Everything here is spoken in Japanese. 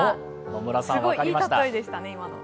すごいいい例えでしたね、今の。